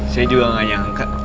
saya juga gak nyangka